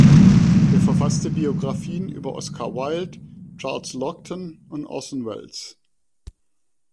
Er verfasste Biografien über Oscar Wilde, Charles Laughton und Orson Welles.